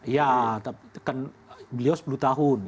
ya kan beliau sepuluh tahun